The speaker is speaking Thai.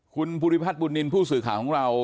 คุณภูริพัฒนบุญนินทร์ผู้สื่อข่าวของเรา